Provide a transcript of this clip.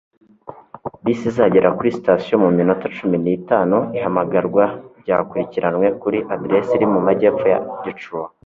bisi izagera kuri sitasiyo mu minota cumi n'itanuihamagarwa ryakurikiranwe kuri aderesi iri mu majyepfo ya detroit